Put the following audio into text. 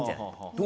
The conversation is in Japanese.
どう？